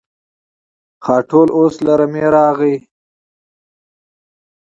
خاټول اوس له رمې راغی.